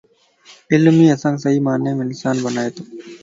علم ئي اسانک صحيح معني مَ انسان بنائي تو